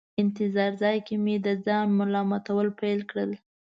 انتظار ځای کې مې د ځان ملامتول پیل کړل.